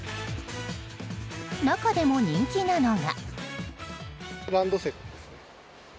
中でも人気なのが。